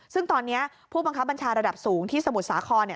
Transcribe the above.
ซึ่งตอนนี้ผู้บังคับบัญชาระดับสูงที่สมุทรสาครเนี่ย